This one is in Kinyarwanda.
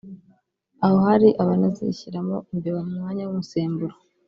aho hari abanazishyiramo imbeba mu mwanya w’umusemburo”